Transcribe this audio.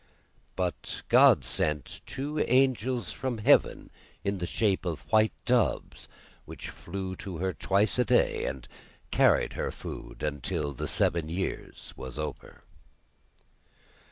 But God sent two angels from heaven in the shape of white doves, which flew to her twice a day, and carried her food until the seven years were over.